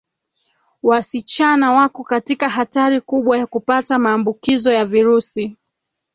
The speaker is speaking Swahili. wasichana wako katika hatari kubwa ya kupata maambukizo ya virusi